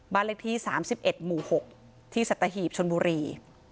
บ้านเลขที่๓๑หมู่๖ที่สัตหีบชนบุรี